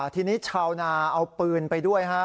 ทีนี้ชาวนาเอาปืนไปด้วยฮะ